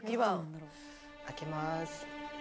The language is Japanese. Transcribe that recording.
開けます。